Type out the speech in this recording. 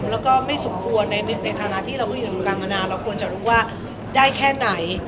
แล้วก็ไม่สมควรในฐานะที่เราก็อยู่ในวงการมานานเราควรจะรู้ว่าได้แค่ไหน